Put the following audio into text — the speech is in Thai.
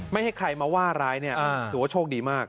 ไม่ให้ใครว่าร้ายที่ว่าโชคดีมาก